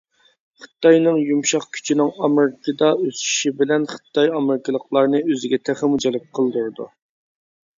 خىتاينىڭ يۇمشاق كۈچىنىڭ ئامېرىكىدا ئۆسۈشى بىلەن خىتاي ئامېرىكىلىقلارنى ئۆزىگە تېخىمۇ جەلپ قىلدۇرىدۇ.